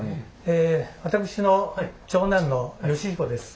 え私の長男の慶彦です。